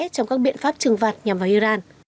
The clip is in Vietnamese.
trong các biện pháp trừng phạt nhằm vào iran